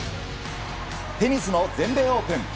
テニスの全米オープン。